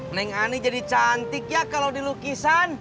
neng ani jadi cantik ya kalau dilukisan